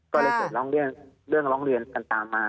ก็เลยเกิดร้องเรื่องร้องเรียนกันตามมา